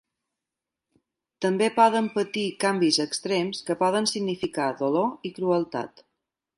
També poden patir canvis extrems que poden significar dolor i crueltat.